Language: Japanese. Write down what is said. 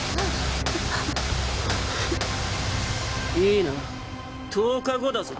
いいな１０日後だぞ。